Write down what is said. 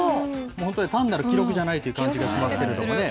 本当に単なる記録じゃないという感じがしますけどね。